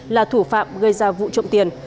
là thủ phạm gây ra vụ trộm tiền